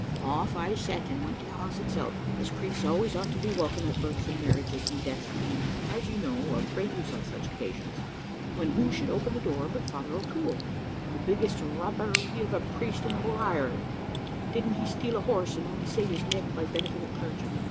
Off I set, and went to the house itself, as priests always ought to be welcomed at births and marriages, and deaths, being, as you know, of great use on such occasions when who should open the door but Father O'Toole, the biggest rapparee of a priest in the whole of Ireland. Didn't he steal a horse, and only save his neck by benefit of clergy?